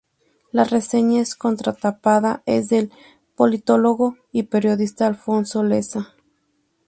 La reseña en contratapa es del politólogo y periodista Alfonso Lessa.